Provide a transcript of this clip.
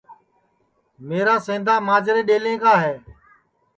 میرا سیندا ماجرے ڈؔیلیں کا ہے